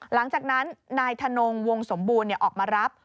หลังจากนั้นนายธนงวงสมบูรณ์ออกมารับ